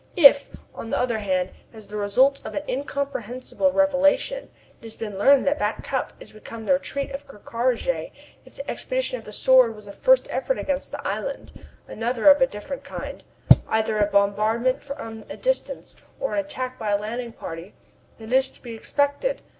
If, on the other hand, as the result of an incomprehensible revelation, it has been learned that Back Cup is become the retreat of Ker Karraje, if the expedition of the Sword was a first effort against the island, another of a different kind either a bombardment from a distance, or an attack by a landing party is to be expected.